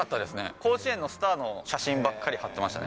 甲子園のスターの写真ばっかり貼ってましたね。